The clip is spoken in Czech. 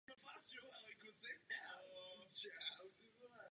Pojďme to změnit.